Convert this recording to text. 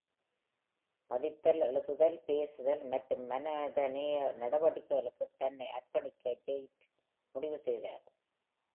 படித்தல், எழுதுதல், பேசுதல் மற்றும் மனிதநேய நடவடிக்கைகளுக்குத் தன்னை அர்ப்பணிக்க வெயிட் முடிவு செய்தார்.